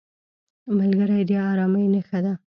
ملګری د ارامۍ نښه ده